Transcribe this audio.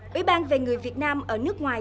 bị ban về người việt nam ở nước ngoài